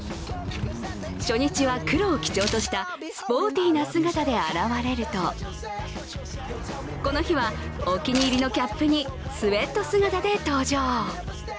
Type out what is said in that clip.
初日は黒を基調としたスポーティーな姿で現れるとこの日は、お気に入りのキャップにスエット姿で登場。